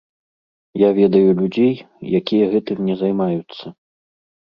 Я ведаю людзей, якія гэтым не займаюцца.